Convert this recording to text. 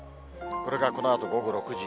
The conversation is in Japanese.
これがこのあと午後６時。